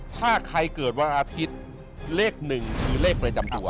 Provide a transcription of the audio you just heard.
ถ้าใครเกิดวันอาทิตย์เลขหนึ่งคือเลขประจำตัว